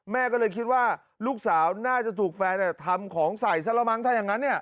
แม่ก็เลยคิดว่าลูกสาวน่าจะถูกแฟนทำของใส่ซะละมั้งถ้าอย่างนั้น